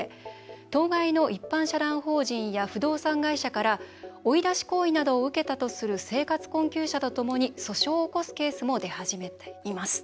当該の一般社団法人や不動産会社から追い出し行為などを受けたとする生活困窮者とともに訴訟を起こすケースも出始めています。